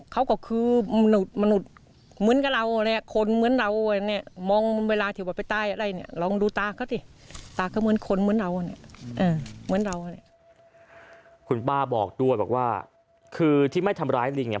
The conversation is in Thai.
คุณป้าบอกด้วยบอกว่าคือที่ไม่ทำร้ายลิงเนี่ย